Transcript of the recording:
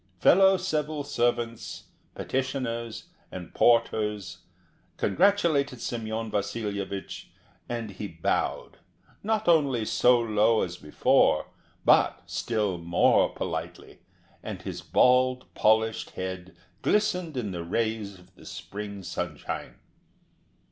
Fellow civil servants, petitioners, and porters congratulated Semyon Vasilyevich; and he bowed, only not so low as before, but still more politely, and his bald, polished head glistened in the rays of the spring sunshine.